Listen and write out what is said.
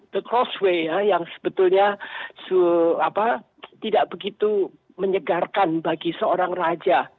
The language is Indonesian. the crossway yang sebetulnya tidak begitu menyegarkan bagi seorang raja